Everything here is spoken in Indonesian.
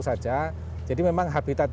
saja jadi memang habitat